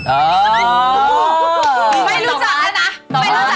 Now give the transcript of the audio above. โอ้ว